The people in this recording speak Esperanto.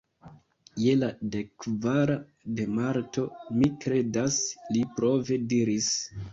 "Je la dekkvara de Marto, mi kredas," li prove diris.